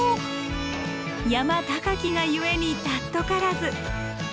山高きが故に貴からず。